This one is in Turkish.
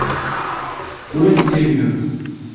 Burayı sevmiyorum.